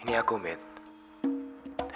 handphonenya kenapa dimatiin sih